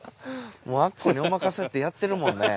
もう『アッコにおまかせ！』ってやってるもんね